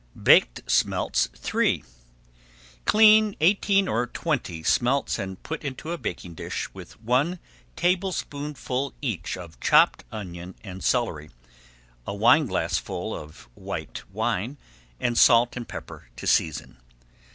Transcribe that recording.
BAKED SMELTS III Clean eighteen or twenty smelts and put into a baking dish with one tablespoonful each of chopped onion and celery, a wineglassful of white wine, and salt and pepper to season.